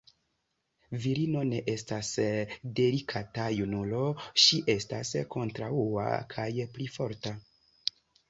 Virino ne estas delikata junulo, ŝi estas kontraŭa kaj pli forta.